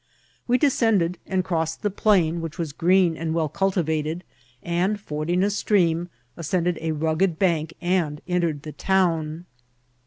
We de scended and crossed the plain, which was green and well cultivated ; and, fording a stream, ascended a rug ged bank and entered the town.